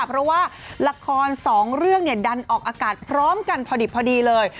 เพราะว่าละครสองเรื่องดันออกอากาศพร้อมกันพอดิบพอดีเลย